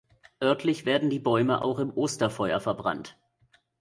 Örtlich werden die Bäume auch im Osterfeuer verbrannt.